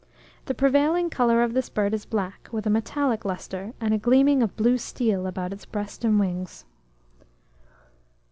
The prevailing colour of this bird is black, with a metallic lustre, and a gleaming of blue steel about its breast and wings.